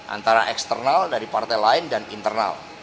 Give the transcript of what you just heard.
antara eksternal dari partai lain dan internal